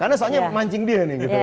karena soalnya mancing dia nih gitu ya kan